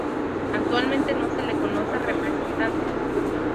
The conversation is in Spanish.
Actualmente no se le conoce representante.